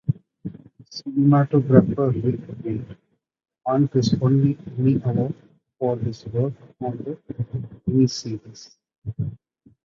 Cinematographer Ric Waite won his only Emmy Award for his work on the miniseries.